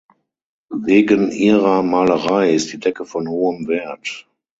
Wegen ihrer Malerei ist die Decke von hohem Wert.